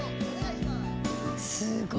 すごい！